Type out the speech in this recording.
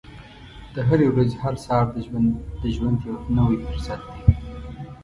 د هرې ورځې هر سهار د ژوند یو نوی فرصت دی.